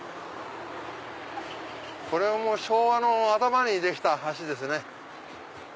これも昭和の頭にできた橋ですね。